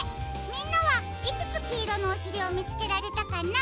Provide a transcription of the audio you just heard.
みんなはいくつきいろのおしりをみつけられたかな？